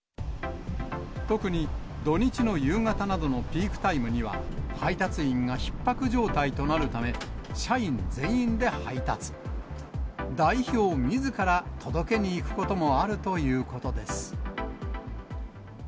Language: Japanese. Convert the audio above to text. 特に土日の夕方などのピークタイムには、配達員がひっ迫状態となるため、社員全員で配達。代表みずから、届けに行くこともあるということです。